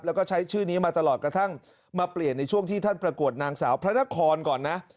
แล้วก็ใช้ชื่อนี้มาตลอดกระทั่งมาเปลี่ยนในช่วงที่ท่านประกวดนางสาวพระนครก่อนนะ